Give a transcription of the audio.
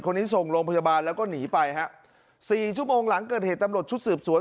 ส่งโรงพยาบาลแล้วก็หนีไปฮะสี่ชั่วโมงหลังเกิดเหตุตำรวจชุดสืบสวน